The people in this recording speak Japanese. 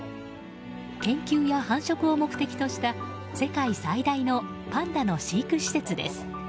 研究や繁殖を目的とした世界最大のパンダの飼育施設です。